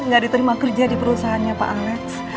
gak diterima kerja di perusahaan pak alex